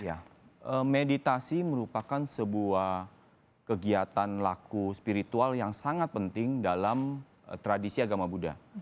ya meditasi merupakan sebuah kegiatan laku spiritual yang sangat penting dalam tradisi agama buddha